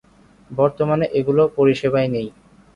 বর্তমানে এগুলো পরিষেবায় নেই।